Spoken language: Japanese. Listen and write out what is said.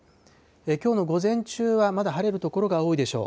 きょうの午前中はまだ晴れる所が多いでしょう。